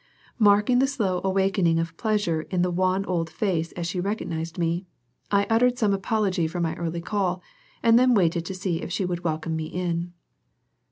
Marking the slow awakening of pleasure in the wan old face as she recognized me, I uttered some apology for my early call and then waited to see if she would welcome me in.